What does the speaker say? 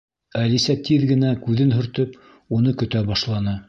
Әлисә тиҙ генә күҙен һөртөп, уны көтә башланы.